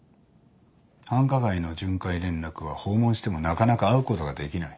繁華街の巡回連絡は訪問してもなかなか会うことができない。